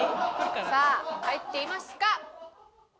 さあ入っていますか？